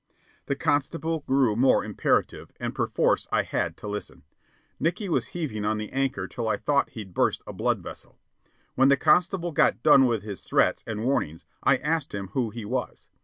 The constable grew more imperative, and perforce I had to listen. Nickey was heaving on the anchor till I thought he'd burst a blood vessel. When the constable got done with his threats and warnings, I asked him who he was.